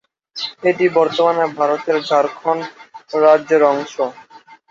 এটি বর্তমান ভারতের ঝাড়খণ্ড রাজ্যের অংশ।